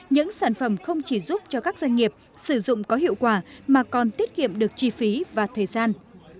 những sản phẩm không chỉ giúp cho các doanh nghiệp sử dụng có hiệu quả mà còn tiết kiệm được chi phí và thời gian